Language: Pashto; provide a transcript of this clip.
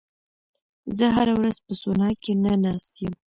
زه هره ورځ په سونا کې نه ناست یم.